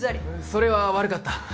それは悪かった。